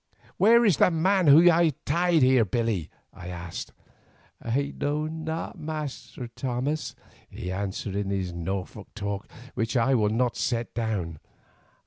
"Where is the man who was tied here, Billy?" I asked. "I know not, Master Thomas," he answered in his Norfolk talk which I will not set down.